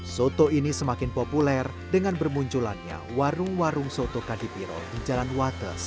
soto ini semakin populer dengan bermunculannya warung warung soto kadipiro di jalan wates